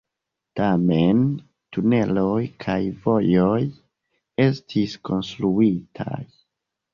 Tamen, tuneloj kaj vojoj estis konstruitaj.